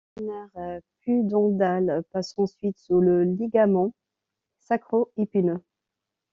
Le nerf pudendal passe ensuite sous le ligament sacro-épineux.